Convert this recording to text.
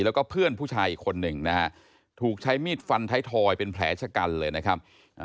แล้วก็เพื่อนผู้ชายอีกคนหนึ่งนะฮะถูกใช้มีดฟันท้ายทอยเป็นแผลชะกันเลยนะครับ